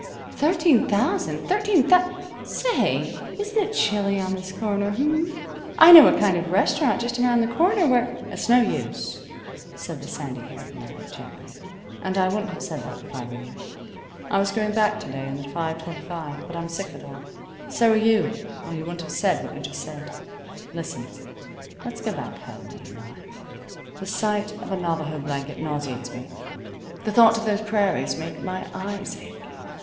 "Thirteen thousand! Thirteen thous Say, isn't it chilly on this corner, h'm? I know a kind of a restaurant just around the corner where " "It's no use," said the sandy haired man, gently. "And I wouldn't have said that, if I were you. I was going back to day on the 5:25, but I'm sick of it all. So are you, or you wouldn't have said what you just said. Listen. Let's go back home, you and I. The sight of a Navajo blanket nauseates me. The thought of those prairies makes my eyes ache.